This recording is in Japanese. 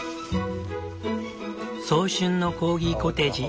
早春のコーギコテージ。